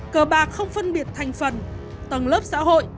cờ bạc không phân biệt thành phần tầng tầng lớp xã hội